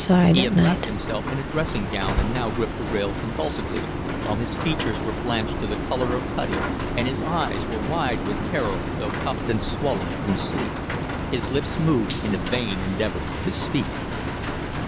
He had wrapped himself in a dressing gown and now gripped the rail convulsively, while his features were blanched to the color of putty and his eyes were wide with terror, though puffed and swollen from sleep. His lips moved in a vain endeavor to speak.